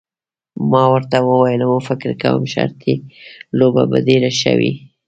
ما ورته وویل هو فکر کوم شرطي لوبه به ډېره ښه وي.